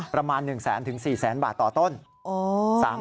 ประมาณ๑๐๐๐๐๐ถึง๔๐๐๐๐๐บาทต่อต้น